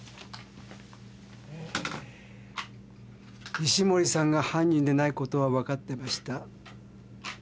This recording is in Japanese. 石森さんが犯人でないことは分かってました。